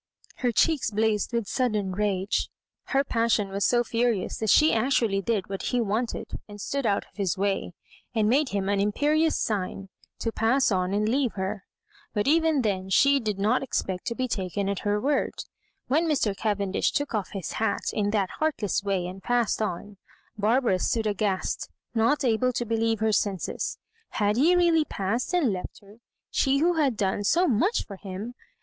Her cheeks blazed with sudden rage, her passion was so furious that she actually did what he wanted and stood out of his way, and made him an im |)erious sign to pass on and leave her. But even Digitized by VjOOQIC 106 loss MABJ0RIBAKSJ3. then she did not expect to be taken at her word. When Mr. Cavendish took off his hat in that heartless way and passed on, Barbara stood aghast, not able to believe her senses. Had he really passed and left her, she who had done so much for him